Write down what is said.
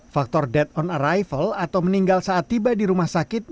faktor dead on arrival atau meninggal saat tiba di rumah sakit